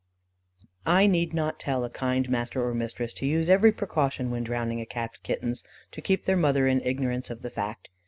I need not tell a kind master or mistress to use every precaution when drowning a Cat's kittens, to keep their mother in ignorance of the fact.